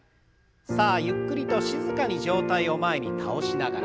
さあゆっくりと静かに上体を前に倒しながら。